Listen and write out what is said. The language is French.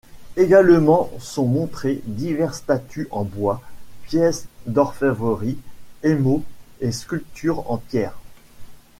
Également sont montrées diverses statues en bois, pièces d'orfèvrerie, émaux et sculptures en pierre.